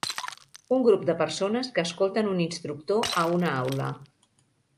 Un grup de persones que escolten un instructor a una aula.